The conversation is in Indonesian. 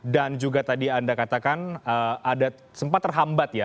dan juga tadi anda katakan ada sempat terhambat ya